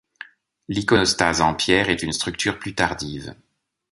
L'iconostase en pierre est une structure plus tardive.